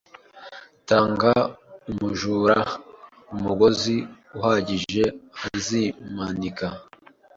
Tanga umujura umugozi uhagije azimanika